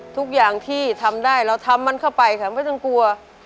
ทุกอย่างที่ทำได้เราทำมันเข้าไปค่ะไม่ต้องกลัว